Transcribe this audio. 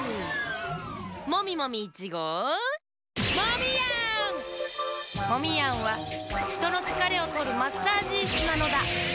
モミモミ１ごうモミヤンはひとのつかれをとるマッサージイスなのだ。